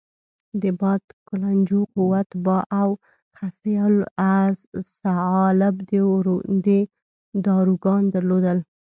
د باد کلنجو، قوت باه او خصیه الصعالب داروګان درلودل.